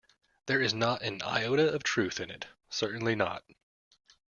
There is not an iota of truth in it, certainly not.